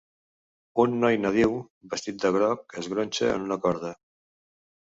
Un noi nadiu, vestit de groc, es gronxa en una corda.